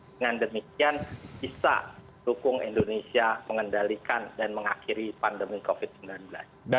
dengan demikian bisa dukung indonesia mengendalikan dan mengakhiri pandemi covid sembilan belas